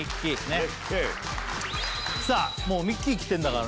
ねっさあもうミッキー着てんだからね